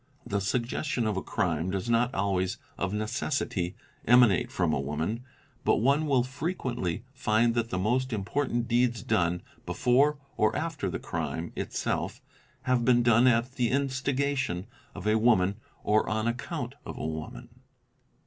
The suggestion of a crime does not always of necessity emanate from a woman, but one will frequently find that the most important deeds done before or after the crime itself have been done at the instigation of a woman or on account of a woman.